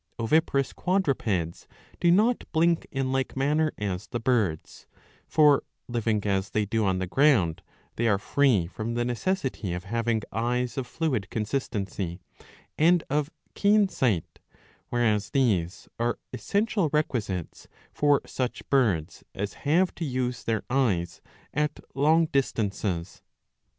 '" Oviparous quadrupeds do not blink in like manner as the birds ; for, living as they do on the ground, they are free from the necessity of having eyes of fluid consistency and of keen sight, whereas these are essential requisites for such birds as have to use their eyes at long distances.